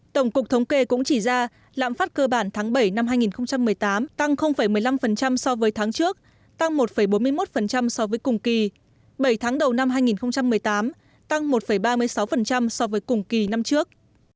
tổng cục thống kê cũng chỉ ra lãm phát cơ bản tháng bảy năm hai nghìn một mươi tám tăng một mươi năm so với tháng trước tăng một bốn mươi một so với cùng kỳ bảy tháng đầu năm hai nghìn một mươi tám tăng một ba mươi sáu so với cùng kỳ năm trước